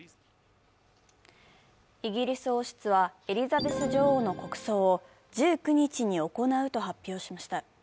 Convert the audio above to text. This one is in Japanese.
イギリス王室はエリザベス女王の国葬を１９日に行うと発表しました。